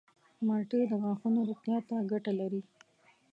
مالټې د غاښونو روغتیا ته ګټه لري.